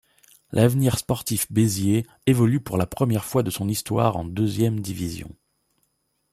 L'Avenir sportif Béziers évolue pour la première fois de son histoire en deuxième division.